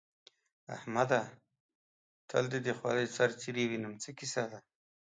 احمده! تل دې د خولۍ سر څيرې وينم؛ څه کيسه ده؟